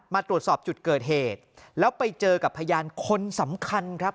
มาตรวจสอบจุดเกิดเหตุแล้วไปเจอกับพยานคนสำคัญครับ